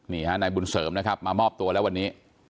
นี่ฮะนายบุญเสริมนะครับมามอบตัวแล้ววันนี้